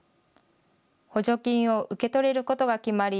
補助金を受け取れることが決まり